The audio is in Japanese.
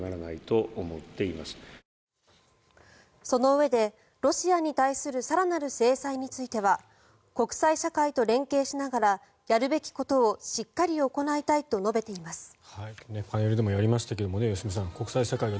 そのうえでロシアに対する更なる制裁については国際社会と連携しながらやるべきことをしっかり行いたいと述べています。